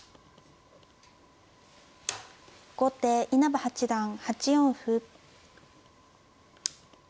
後手稲葉八段８四歩。